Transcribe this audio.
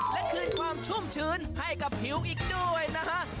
และคืนความชุ่มชื้นให้กับผิวอีกด้วยนะฮะ